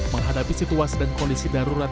menghadapi situasi dan kondisi darurat